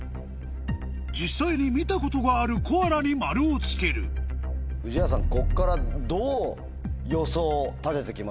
実際に見たことがある「コアラ」に「○」をつける宇治原さん。